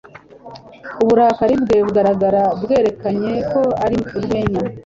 Uburakari bwe bugaragara bwerekanye ko ari urwenya.